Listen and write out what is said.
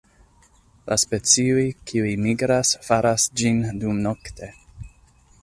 La specioj kiuj migras faras ĝin dumnokte.